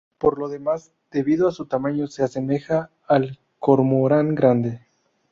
Por lo demás, debido a su tamaño se asemeja al cormorán grande.